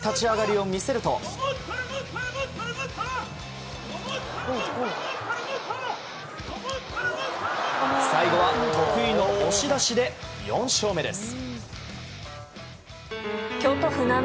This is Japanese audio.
激しい立ち上がりを見せると最後は得意の押し出しで４勝目です。